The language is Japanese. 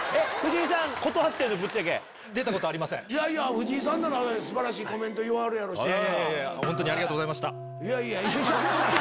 藤井さんなら素晴らしいコメント言わはるやろうしやな。